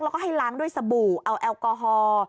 แล้วก็ให้ล้างด้วยสบู่เอาแอลกอฮอล์